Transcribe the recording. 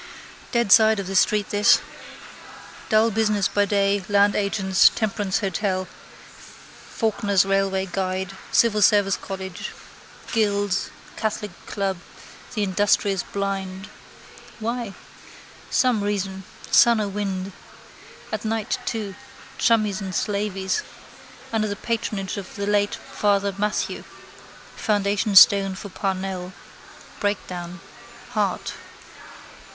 Dead side of the street this. Dull business by day, land agents, temperance hotel, Falconer's railway guide, civil service college, Gill's, catholic club, the industrious blind. Why? Some reason. Sun or wind. At night too. Chummies and slaveys. Under the patronage of the late Father Mathew. Foundation stone for Parnell. Breakdown. Heart.